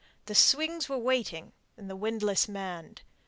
The swings were waiting, and the windlass manned.